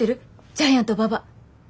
ジャイアント馬場。